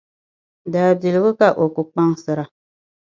Daabiligu ka o ku kpaŋsira.